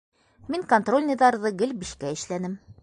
Мин контрольныйҙарҙы гел «биш»кә эшләнем.